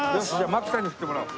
槙さんに振ってもらおう。